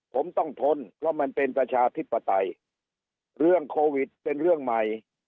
ผมต้องทนเพราะมันเป็นประชาธิปไตยเรื่องโควิดเป็นเรื่องใหม่